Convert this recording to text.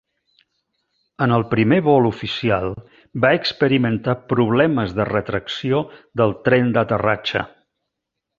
En el primer vol oficial, va experimentar problemes de retracció del tren d'aterratge.